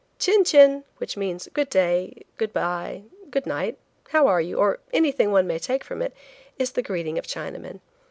"Chin chin," which means "good day," "good bye," "good night," "How are you?" or anything one may take from it, is the greeting of Chinamen.